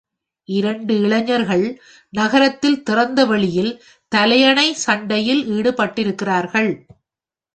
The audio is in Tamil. இரண்டு இளைஞர்கள் நகரத்தில் திறந்தவெளியில் தலையணை சண்டையில் ஈடுபட்டிருக்கிறார்கள்.